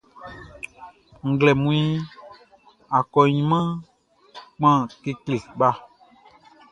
Nglɛmunʼn, akɔɲinmanʼn kpan kekle kpa.